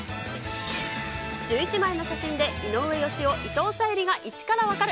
１１枚の写真で、井上芳雄、伊藤沙梨が１からわかる！